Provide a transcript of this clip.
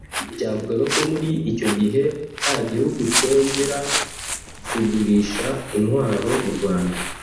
ryavugaga ko muri icyo gihe nta gihugu cyongera kugurisha intwaro mu Rwanda